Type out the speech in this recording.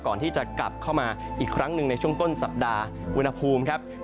ก่อนที่จะกลับเข้ามาอีกครั้งหนึ่งในช่วงต้นสัปดาห์อุณหภูมิครับ